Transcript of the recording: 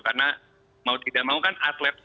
karena mau tidak mau kan atlet